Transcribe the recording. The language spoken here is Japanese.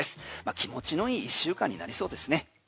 気持ちのいい１週間になりそうですね。